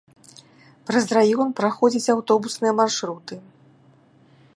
Праз раён праходзяць аўтобусныя маршруты.